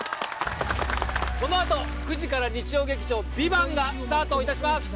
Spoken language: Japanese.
このあと９時から日曜劇場「ＶＩＶＡＮＴ」がスタートいたします